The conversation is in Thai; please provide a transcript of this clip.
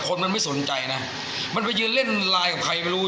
คนมันไม่สนใจนะมันไปยืนเล่นไลน์กับใครไม่รู้